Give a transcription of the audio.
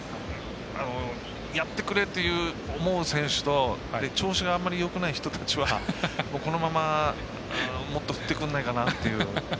やってくれって思う選手と調子があんまりよくない選手はこのまま、もっと降ってくれないかなっていう。